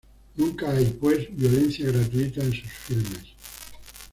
Nunca hay, pues, violencia gratuita en sus filmes.